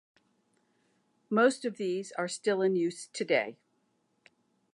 Most of these are still in use today.